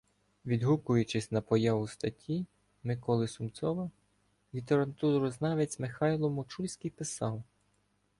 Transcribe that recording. Відгукуючись на появу статті Миколи Сумцова, літературознавець Михайло Мочульський писав: